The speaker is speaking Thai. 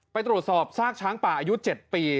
ไปตรวจสอบซากช้างป่าอายุ๗ปี